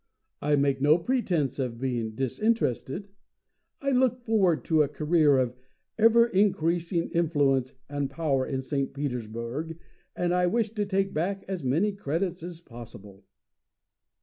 I make no pretence of being disinterested. I look forward to a career of ever increasing influence and power in St. Petersburg, and I wish to take back as many credits as possible."